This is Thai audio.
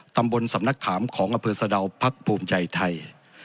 ตำบลสำนักขามของอำเภอสะดาวพักภูมิใจไทย